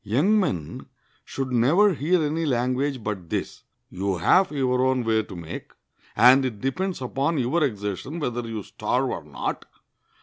Young men should never hear any language but this: "You have your own way to make, and it depends upon your exertion whether you starve or not.